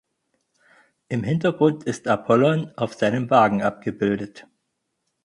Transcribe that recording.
Im Hintergrund ist Apollon auf seinem Wagen abgebildet.